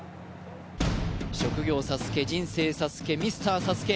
職業ＳＡＳＵＫＥ・人生ＳＡＳＵＫＥ・ミスターＳＡＳＵＫＥ